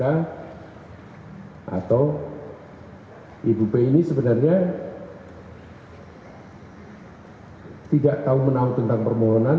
atau ibu p ini sebenarnya tidak tahu menau tentang permohonan